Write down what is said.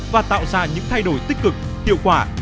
và tạo ra những thay đổi tích cực hiệu quả